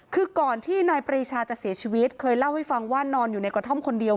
คือก่อนที่นายปรีชาจะเสียชีวิตเคยเล่าให้ฟังว่านอนอยู่ในกระท่อมคนเดียว